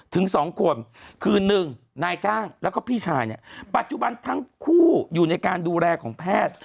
ถึง๒คนคือ๑นายจ้างแล้วก็พี่ชายเนี่ยปัจจุบันทั้งคู่อยู่ในการดูแลของแพทย์